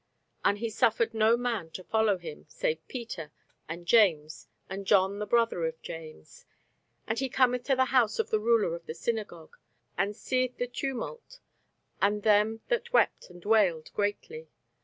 And he suffered no man to follow him, save Peter, and James, and John the brother of James. And he cometh to the house of the ruler of the synagogue, and seeth the tumult, and them that wept and wailed greatly.